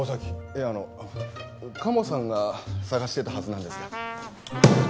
いやあのカモさんが探してたはずなんですが。